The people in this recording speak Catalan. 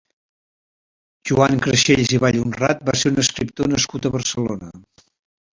Joan Crexells i Vallhonrat va ser un escriptor nascut a Barcelona.